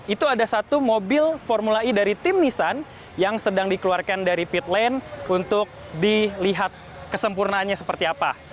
itu ada satu mobil formula e dari tim nissan yang sedang dikeluarkan dari pit lane untuk dilihat kesempurnaannya seperti apa